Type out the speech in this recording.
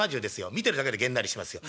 見てるだけでげんなりしますよ。